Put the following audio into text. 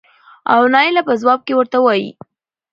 او نايله په ځواب کې ورته وايې